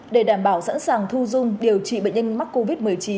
để đảm bảo sẵn sàng thu dung điều trị bệnh nhân mắc covid một mươi chín